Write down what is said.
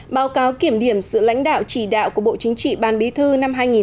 báo cáo các công việc quan trọng bộ chính trị đã giải quyết từ sau hội nghị chung mương viii